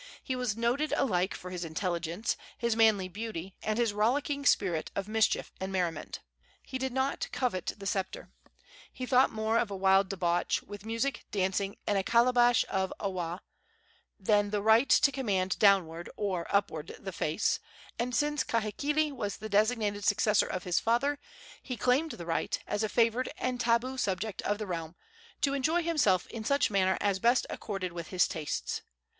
He was noted alike for his intelligence, his manly beauty and his rollicking spirit of mischief and merriment. He did not covet the sceptre. He thought more of a wild debauch, with music, dancing and a calabash of awa, than the right to command "downward" or "upward the face"; and since Kahekili was the designated successor of his father, he claimed the right, as a favored and tabu subject of the realm, to enjoy himself in such manner as best accorded with his tastes.